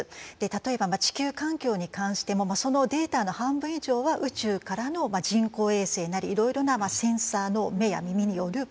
例えば地球環境に関してもそのデータの半分以上は宇宙からの人工衛星なりいろいろなセンサーの目や耳によるデータなんですよね。